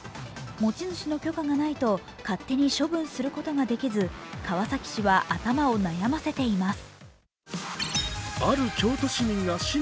持ち主の許可がないと勝手に処分することができず川崎市は、頭を悩ませています。